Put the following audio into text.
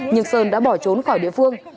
nhưng sơn đã bỏ trốn khỏi địa phương